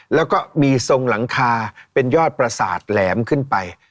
แล้วก็มีทรงหลังคาเป็นยอดประสาทแหลมขึ้นไป